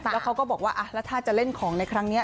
แล้วเขาก็บอกว่าแล้วถ้าจะเล่นของในครั้งนี้